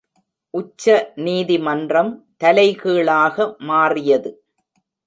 உச்ச நீதிமன்றம் தலைகீழாக மாறியது.